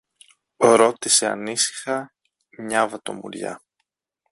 ρώτησε ανήσυχα μια βατομουριά.